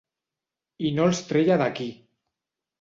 I no els treia d'aquí.